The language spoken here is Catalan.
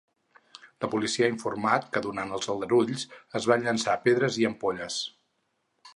La policia ha informat que durant els aldarulls es van llançar pedres i ampolles.